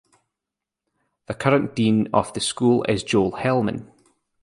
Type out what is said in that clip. The current dean of the school is Joel Hellman.